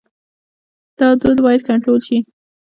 دا دود باید کنټرول شي.